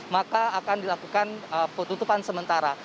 maka akan dilakukan penutupan sementara